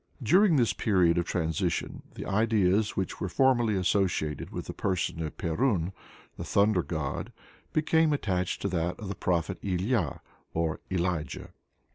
During this period of transition the ideas which were formerly associated with the person of Perun, the thunder god, became attached to that of the Prophet Ilya or Elijah.